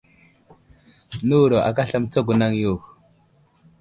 Nəwuro aka aslam mətsago anaŋ yo.